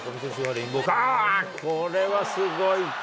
これはすごい。